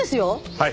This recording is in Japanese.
はい。